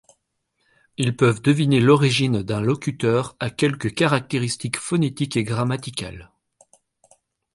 Ils peuvent deviner l'origine d'un locuteur à quelques caractéristiques phonétiques et grammaticales.